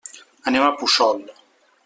Anem a Puçol.